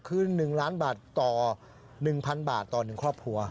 คือ๑ล้านบาทต่อ๑๐๐๐บาทต่อ๑ครอบครัว